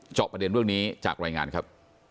จอบประเด็นเรื่องนี้จากรายงานครับ